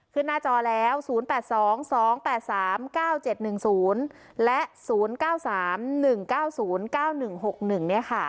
ขึ้นหน้าจอแล้วศูนย์๘๒๒๘๓๙๗๑๐และศูนย์๙๓๑๙๐๙๑๖๑เนี่ยค่ะ